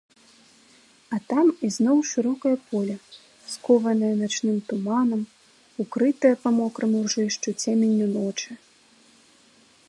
А там ізноў шырокае поле, скованае начным туманам, укрытае па мокраму ржышчу цеменню ночы.